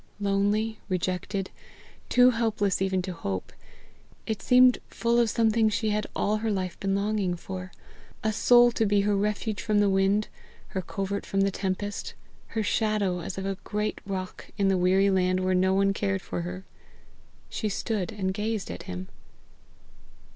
Lonely, rejected, too helpless even to hope, it seemed full of something she had all her life been longing for a soul to be her refuge from the wind, her covert from the tempest, her shadow as of a great rock in the weary land where no one cared for her. She stood and gazed at him.